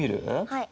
はい。